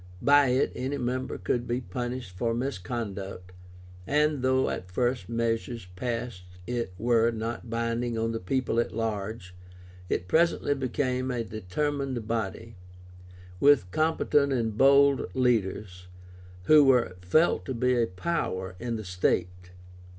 By it any member could be punished for misconduct, and though at first measures passed in it were not binding on the people at large, it presently became a determined body, with competent and bold leaders, who were felt to be a power in the state.